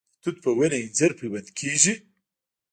د توت په ونه انجیر پیوند کیږي؟